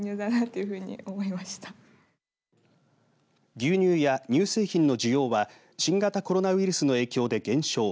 牛乳や乳製品の需要は新型コロナウイルスの影響で減少。